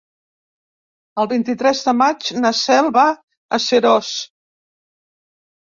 El vint-i-tres de maig na Cel va a Seròs.